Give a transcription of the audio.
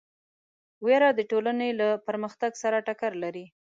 وېره د ټولنې له پرمختګ سره ټکر لري.